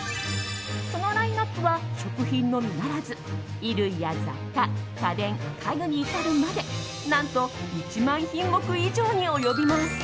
そのラインアップは食品のみならず衣類や雑貨、家電家具に至るまで何と１万品目以上に及びます。